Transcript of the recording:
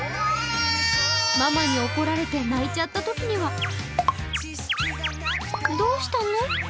ママに怒られて泣いちゃったときにはどうしたの？